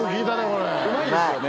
うまいですよね。